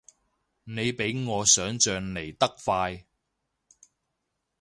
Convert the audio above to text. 你比我想像嚟得快